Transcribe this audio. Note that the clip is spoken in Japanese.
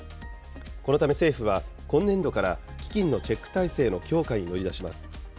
このため政府は、今年度から基金のチェック体制の強化に乗り出します。